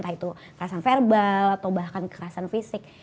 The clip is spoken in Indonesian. entah itu kekerasan verbal atau bahkan kekerasan fisik